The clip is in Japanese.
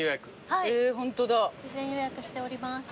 はい事前予約しております。